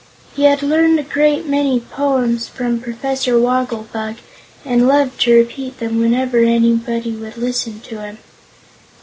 He had learned a great many poems from Professor Wogglebug and loved to repeat them whenever anybody would listen to him.